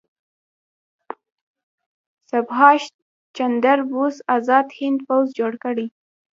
سبهاش چندر بوس ازاد هند پوځ جوړ کړ.